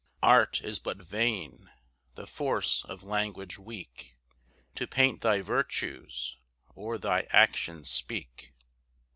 Art is but vain the force of language weak, To paint thy virtues, or thy actions speak.